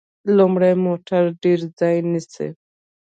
لوی موټر ډیر ځای نیسي.